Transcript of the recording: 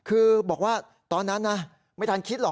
คือบอกว่าตอนนั้นนะไม่ทันคิดหรอก